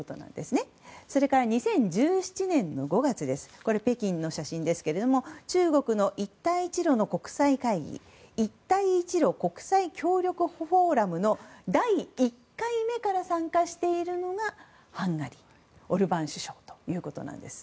それから２０１７年の５月北京の写真ですが中国の一帯一路の国際会議一帯一路国際協力フォーラムの第１回目から参加しているのがハンガリーオルバーン首相ということなんです。